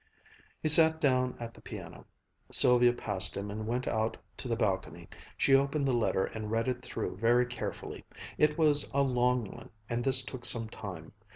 He sat down at the piano. Sylvia passed him and went out to the balcony. She opened the letter and read it through very carefully. It was a long one and this took some time.